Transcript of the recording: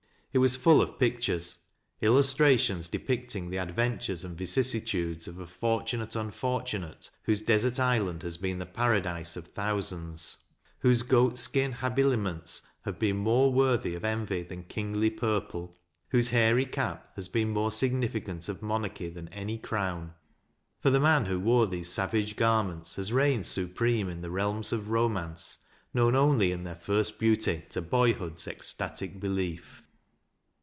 It was full of pictures — ^illustrations depicting the adventures and vicissitudes of a fortunate unfortunate, whose desert island has been the paradise of thousands ; whose goat skin habilimenta have been more worthy of envy than kingly purple ; whose hairy cap has been more significant of monarchy than any CJ'own. For the man who wore these savage garments has reigned supreme in realms of romance, known only in their first beauty to boyhood's ecstatic belief.